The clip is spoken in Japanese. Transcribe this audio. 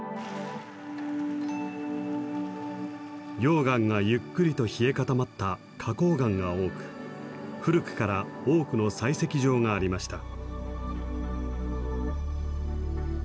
溶岩がゆっくりと冷え固まった花こう岩が多く古くから多くの採石場がありました。